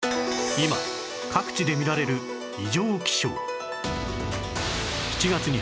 今各地で見られる異常気象